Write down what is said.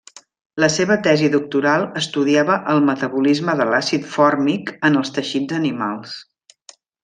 La seva tesi doctoral estudiava el metabolisme de l'àcid fòrmic en els teixits animals.